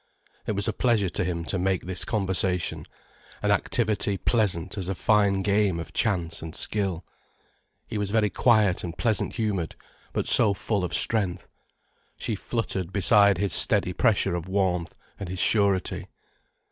It was a pleasure to him to make this conversation, an activity pleasant as a fine game of chance and skill. He was very quiet and pleasant humoured, but so full of strength. She fluttered beside his steady pressure of warmth and his surety.